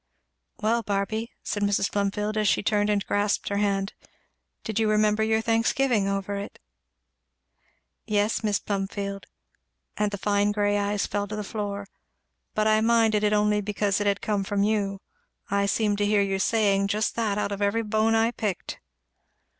"Well, Barby," said Mrs. Plumfield, as she turned and grasped her hand, "did you remember your Thanksgiving over it?" "Yes, Mis' Plumfield," and the fine grey eyes fell to the floor, "but I minded it only because it had come from you. I seemed to hear you saying just that out of every bone I picked."